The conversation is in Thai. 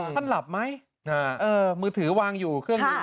ท่านหลับไหมมือถือวางอยู่